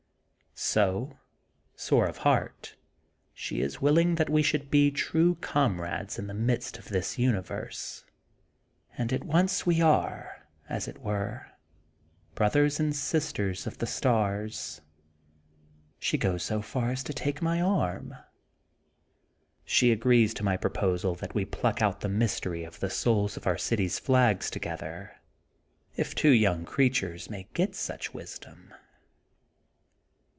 So, sore of heart, she is willing that we should be true comrades in the midst of this universe. And at once we are, as it were, brothers and 120 THE GOLDEN BOOK OF SPRINGFIELD sisters of the stars. She goes so far as to take my arm. She agrees to my proposal that we pluck out the mystery of the souls of our city^s flags together, if two young creatures may get such wisdom.